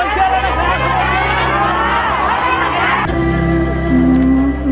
สวัสดีครับ